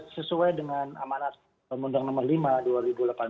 sesuai dengan amanat undang nomor lima dua ribu delapan belas